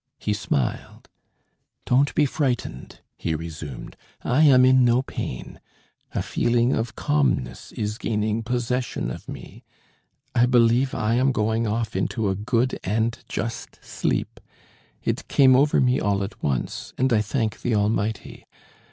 He smiled. "Don't be frightened," he resumed. "I am in no pain; a feeling of calmness is gaining possession of me; I believe I am going off into a good and just sleep. It came over me all at once, and I thank the Almighty.